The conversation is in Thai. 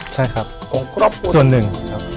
ใช่ครับของครอบครัวส่วนหนึ่งครับ